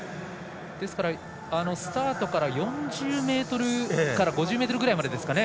スタートから４０ｍから５０ｍぐらいまでですかね